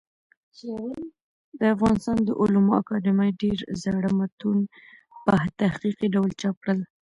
د افغانستان د علومو اکاډمۍ ډېر زاړه متون په تحقيقي ډول چاپ کړل.